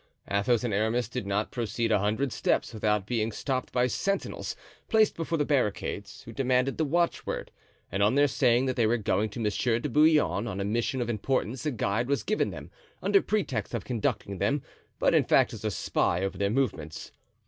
Athos and Aramis did not proceed a hundred steps without being stopped by sentinels placed before the barricades, who demanded the watchword; and on their saying that they were going to Monsieur de Bouillon on a mission of importance a guide was given them under pretext of conducting them, but in fact as a spy over their movements.